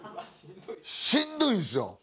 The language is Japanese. しんどいんすよ。